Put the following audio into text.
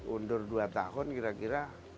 undur dua tahun kira kira